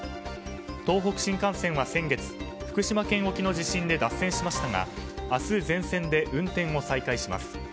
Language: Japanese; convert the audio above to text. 東北新幹線は先月福島県沖の地震で脱線しましたが明日、全線で運転を再開します。